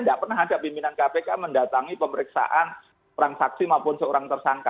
tidak pernah ada pimpinan kpk mendatangi pemeriksaan orang saksi maupun seorang tersangka